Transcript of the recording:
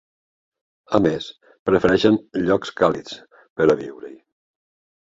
A més, prefereixen llocs càlids per a viure-hi.